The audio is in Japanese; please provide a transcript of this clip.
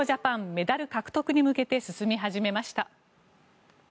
メダル獲得に向けて進み始めました。